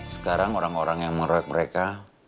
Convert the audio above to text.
sekarang orang orang yang mengeroyok mereka